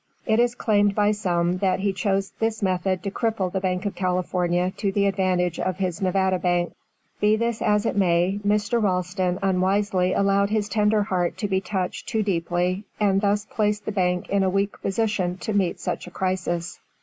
It is claimed by some that he chose this method to cripple the Bank of California to the advantage of his Nevada Bank. Be this as it may, Mr. Ralston unwisely allowed his tender heart to be touched too deeply, and thus placed the bank in a weak position to meet such a crisis.